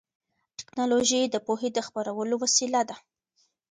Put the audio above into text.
ټیکنالوژي د پوهې خپرولو وسیله ده.